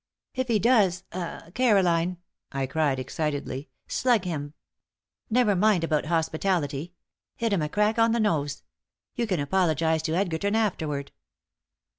"If he does ah Caroline," I cried, excitedly, "slug him! Never mind about hospitality. Hit him a crack on the nose. You can apologize to Edgerton afterward."